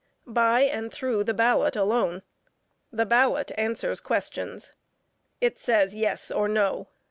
By and through the ballot alone. The ballot answers questions. It says yes, or no.